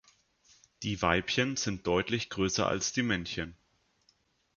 Die Weibchen sind deutlich größer als die Männchen.